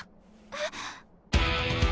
えっ？